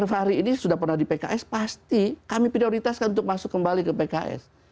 pak fahri ini sudah pernah di pks pasti kami prioritaskan untuk masuk kembali ke pks